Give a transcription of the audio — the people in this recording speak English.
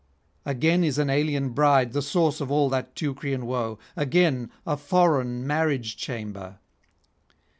Again is an alien bride the source of all that Teucrian woe, again a foreign marriage chamber.